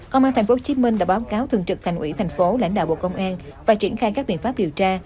công an tp hcm đã báo cáo thường trực thành ủy thành phố lãnh đạo bộ công an và triển khai các biện pháp điều tra